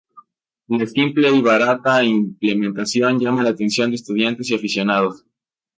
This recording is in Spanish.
La simple y barata implementación llama la atención de estudiantes y aficionados.